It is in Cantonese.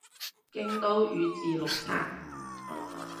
京都宇治綠茶